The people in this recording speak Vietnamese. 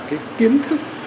cái kiến thức